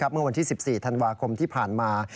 เมื่อวันที่๑๔ธันวาคมที่ผ่านมา